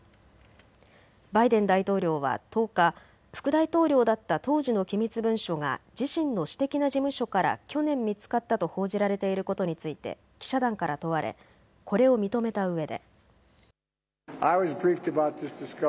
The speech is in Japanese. バイデン大統領は１０日、副大統領だった当時の機密文書が自身の私的な事務所から去年、見つかったと報じられていることについて記者団から問われ、これを認めたうえで。